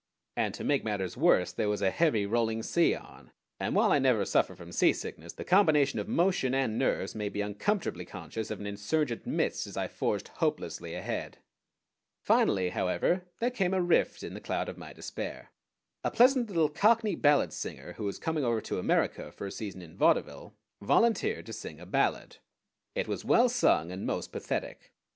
And to make matters worse there was a heavy rolling sea on, and, while I never suffer from seasickness, the combination of motion and nerves made me uncomfortably conscious of an insurgent midst as I forged hopelessly ahead. Finally, however, there came a rift in the cloud of my despair. A pleasant little cockney ballad singer who was coming over to America for a season in vaudeville volunteered to sing a ballad. It was well sung, and most pathetic.